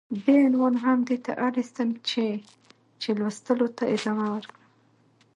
دې عنوان هم دې ته اړيستم چې ،چې لوستلو ته ادامه ورکړم.